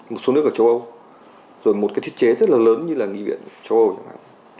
một số nước ở châu âu rồi một cái thiết chế rất là lớn như là nghị viện châu âu chẳng hạn